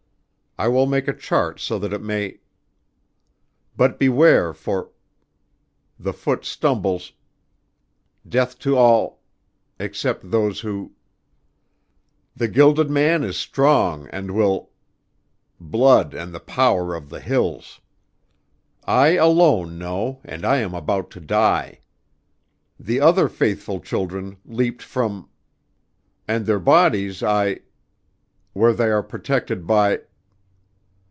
I will make a chart so that it may . But beware for the foot stumbles death to all except those who . The Gilded Man is strong and will blood and the power of the hills. I alone know and I am about to die. The other faithful children, leaped from and their bodies I where they are protected by